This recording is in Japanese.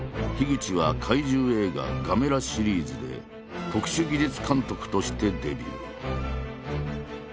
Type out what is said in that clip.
口は怪獣映画「ガメラ」シリーズで特殊技術監督としてデビュー。